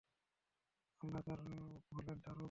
আল্লাহ হলেন তারও উপরে।